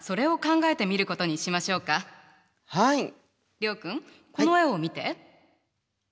諒君この絵を見て。